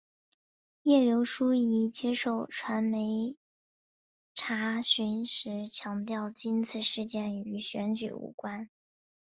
叶刘淑仪接受传媒查询时强调今次事件与选举无关。